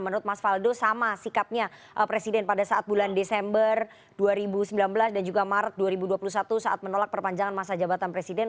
menurut mas faldo sama sikapnya presiden pada saat bulan desember dua ribu sembilan belas dan juga maret dua ribu dua puluh satu saat menolak perpanjangan masa jabatan presiden